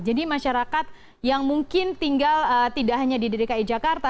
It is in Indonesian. jadi masyarakat yang mungkin tinggal tidak hanya di dki jakarta